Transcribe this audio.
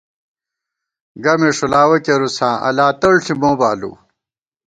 گمے ݭُلاوَہ کېرُوساں ، اَلاتَڑ ݪی مو بالُوؤ